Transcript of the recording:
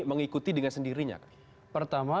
mengikuti dengan sendirinya pertama